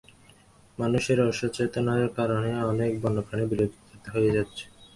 মানুষের অসচেতনতার কারণে অনেক বন্য প্রাণী পৃথিবী থেকে বিলুপ্ত হয়ে যাচ্ছে।